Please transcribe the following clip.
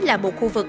là một khu vực